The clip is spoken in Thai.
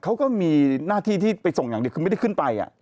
เขาก็มีหน้าที่ที่ไปส่งอย่างเดียวคือไม่ได้ขึ้นไป